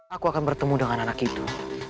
aku akan bertemu dengan anak itu